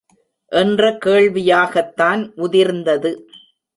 என்ற கேள்வியாகத்தான் உதிர்ந்தது.